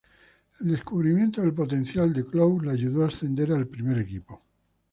El descubrimiento del potencial de Clough le ayudó a ascender al primer equipo.